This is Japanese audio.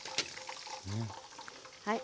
はい。